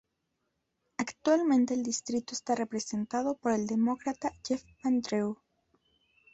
Actualmente el distrito está representado por el Demócrata Jeff Van Drew.